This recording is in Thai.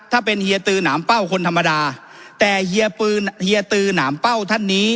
ถ้าเป็นเฮียตือหนามเป้าคนธรรมดาแต่เฮียปือเฮียตือหนามเป้าท่านนี้